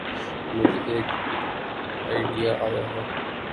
مجھے ایک آئڈیا آیا تھا۔